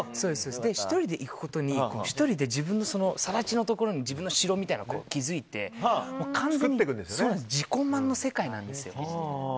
１人で行くことに１人で更地のところに自分の城みたいなのを築いて完全に自己満の世界なんです。